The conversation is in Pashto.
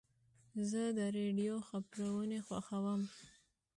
زه د راډیو خپرونې خوښوم.